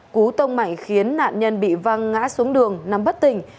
cú tông mạnh khiến nạn nhân bị văng ngã xuống đường nắm bất tình